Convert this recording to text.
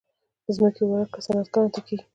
د ځمکې ورکړه صنعتکارانو ته کیږي